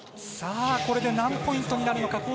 これで何ポイントになるのか。